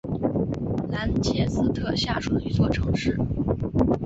兰切斯特下属的一座城市。